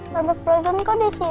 tante frozen kau di sini